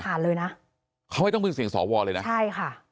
เลยนะเขาไม่ต้องเป็นเสียงสวเลยนะใช่ค่ะ